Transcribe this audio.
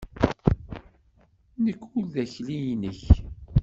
Nekk ur d akli-nnek!